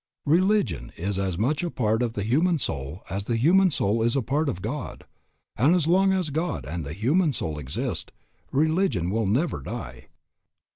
Religion is as much a part of the human soul as the human soul is a part of God. And as long as God and the human soul exist, religion will never die.